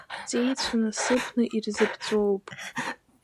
Ҳҵеицәа насыԥны ирзыԥҵәоуп.